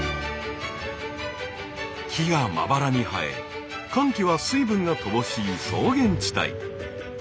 木がまばらに生え乾季は水分が乏しい草原地帯。